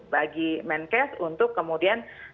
bagi menkes untuk kemudian